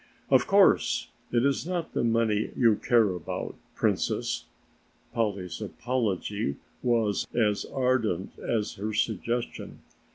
"Of course it is not the money you care about, Princess." (Polly's apology was as ardent as her suggestion.)